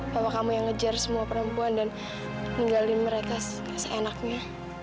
bapak kamu yang ngejar semua perempuan dan tinggalin mereka seenaknya